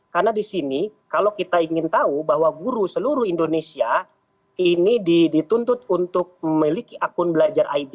karena di sini kalau kita ingin tahu bahwa guru seluruh indonesia ini dituntut untuk memiliki akun belajar id